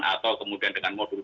atau kemudian dengan modulnya